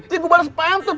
tadi gue bales pantun